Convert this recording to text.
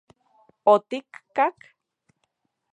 ¿Otikkak...?